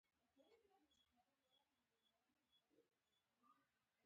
د غوښې چرګان څو ورځو کې لویږي؟